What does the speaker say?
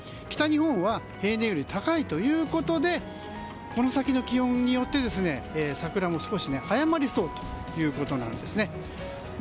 北日本は平年より高いということでこの先の気温によって桜も少し早まりそうということなんです。